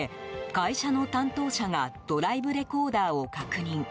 会社の担当者がドライブレコーダーを確認。